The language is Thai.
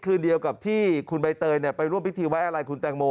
คืนเดียวกับที่คุณใบเตยไปร่วมพิธีไว้อะไรคุณแตงโม